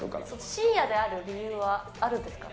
深夜である理由はあるんですか？